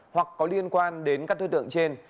hoặc có liên quan đến các đối tượng trên